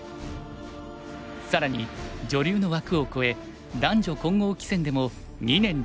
更に女流の枠を超え男女混合棋戦でも２年連続優勝。